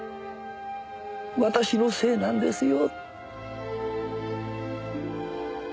私のせいなんですよ。